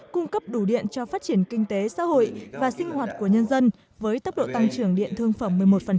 cung cấp đủ điện cho phát triển kinh tế xã hội và sinh hoạt của nhân dân với tốc độ tăng trưởng điện thương phẩm một mươi một